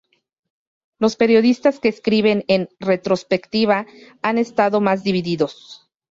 Los periodistas que escriben en retrospectiva han estado más divididos.